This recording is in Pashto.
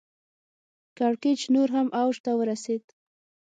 کړکېچ نور هم اوج ته ورسېد.